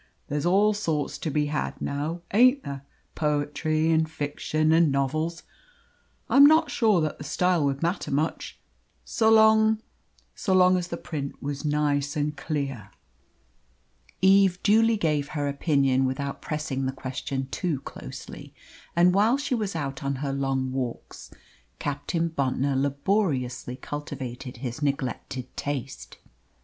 There's all sorts to be had now, ain't there poetry and fiction and novels? I am not sure that the style would matter much, so long so long as the print was nice and clear." Eve duly gave her opinion without pressing the question too closely, and while she was out on her long walks Captain Bontnor laboriously cultivated his neglected taste.